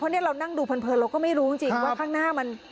นี่เรานั่งดูเพลินเราก็ไม่รู้จริงว่าข้างหน้ามัน